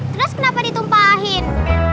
terus kenapa ditumpahin